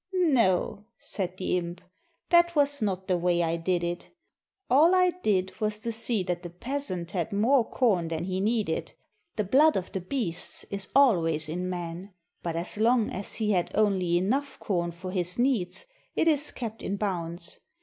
"No," said the imp, "that was not the way I did it. All I did was to see that the peasant had more corn than he needed. The blood of the beasts is always in man; but as long as he has only enough corn for his needs, it is kept in bounds.